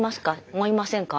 思いませんか？